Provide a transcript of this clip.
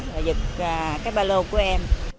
và giật cái ba lô của em